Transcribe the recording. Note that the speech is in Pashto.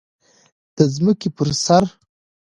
د ځمکې پر سر